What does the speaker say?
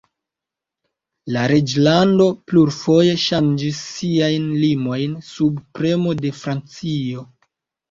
La reĝlando plurfoje ŝanĝis siajn limojn, sub premo de Francio.